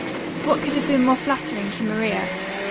What could have been more flattering to Maria?